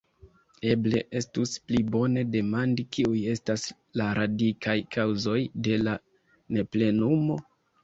Eble estus pli bone demandi, kiuj estas la radikaj kaŭzoj de la neplenumo?